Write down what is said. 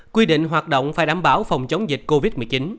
quy định hoạt động phải đảm bảo phòng chống dịch covid một mươi chín